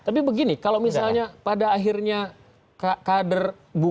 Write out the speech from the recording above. tapi begini kalau misalnya pada akhirnya kader